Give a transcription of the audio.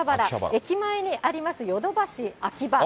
駅前にあります、ヨドバシアキバ。